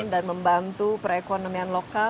dan membantu perekonomian lokal